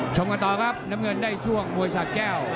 ชมกันต่อครับน้ำเงินได้ช่วงมวยสาแก้ว